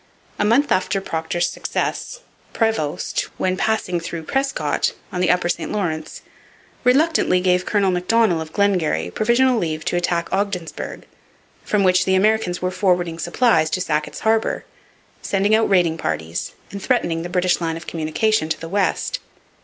A month after Procter's success, Prevost, when passing through Prescott, on the upper St Lawrence, reluctantly gave Colonel Macdonell of Glengarry provisional leave to attack Ogdensburg, from which the Americans were forwarding supplies to Sackett's Harbour, sending out raiding parties, and threatening the British line of communication to the west.